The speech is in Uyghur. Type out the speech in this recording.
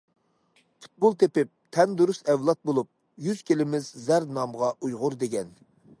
پۇتبول تېپىپ، تەن دۇرۇس ئەۋلاد بولۇپ، يۈز كېلىمىز زەر نامغا ئۇيغۇر دېگەن!